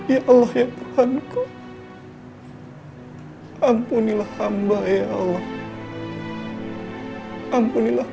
ya allah ya tuhan